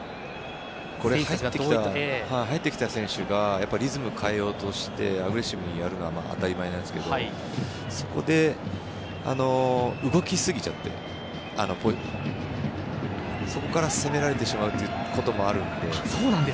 入ってきた選手がリズムを変えようとしてアグレッシブにやるのは当たり前なんですけどそこで動きすぎちゃってそこから攻められてしまうということもあるので。